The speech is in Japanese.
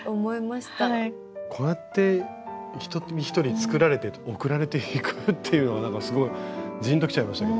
こうやって一人一人作られて送られていくっていうのがなんかすごいジンときちゃいましたけど。